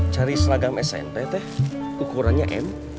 cari selagam smp teh ukurannya m